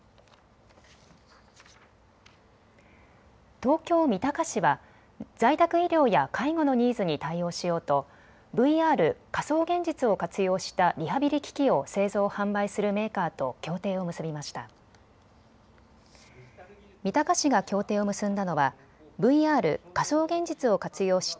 東京三鷹市は在宅医療や介護のニーズに対応しようとＶＲ・仮想現実を活用したリハビリ機器を製造・販売するメーカーと協定を結びました。